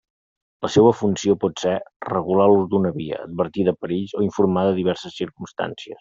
La seua funció pot ser, regular l'ús d'una via, advertir de perills o informar de diverses circumstàncies.